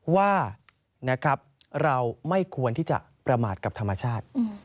ว่าเราไม่ควรที่จะประมาทกับธรรมชาติ